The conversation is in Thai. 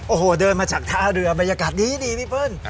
โอ้โหเดินมาจากท่าเรือบรรยากาศดีพี่เปิ้ล